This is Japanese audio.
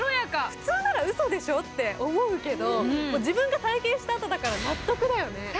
普通ならうそでしょ？と思うけど自分が体験したあとだから納得だよね。